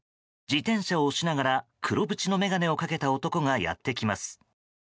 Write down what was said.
自転車を押しながら黒縁の眼鏡をかけた男がやってきます。